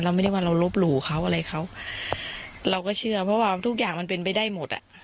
ไม่ได้ว่าเราลบหลู่เขาอะไรเขาเราก็เชื่อเพราะว่าทุกอย่างมันเป็นไปได้หมดอ่ะ